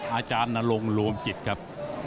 อาจารย์นรงค์รวมจิตครับ